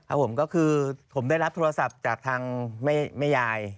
ผมก็คือผมได้รับโทรศัพท์จากทางแม่ยาย